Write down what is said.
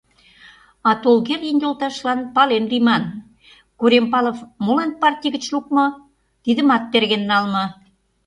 А Толгердин йолташлан пален лийман: Корембалов молан партий гыч лукмо — тидымат терген налме.